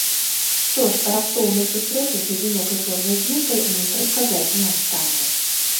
Што ж, раптоўную сустрэчу з адзінокай чорнай дзіркай мы прадказаць не ў стане.